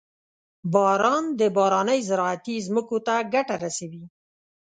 • باران د بارانۍ زراعتي ځمکو ته ګټه رسوي.